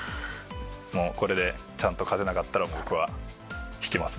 もうこれでちゃんと勝てなかったら僕は引きます